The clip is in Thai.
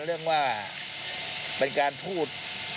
เป็นการพูด